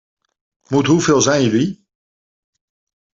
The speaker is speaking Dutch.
Moet hoeveel zijn jullie?